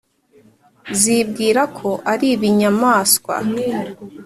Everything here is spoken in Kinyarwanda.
zibwira ko ari ibihanyaswa